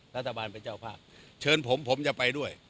รัฐบาลเป็นเจ้าภาพเชิญผมผมจะไปด้วย